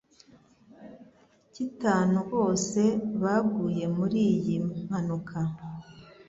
icytanu bose baguye muri iyi mpanuka,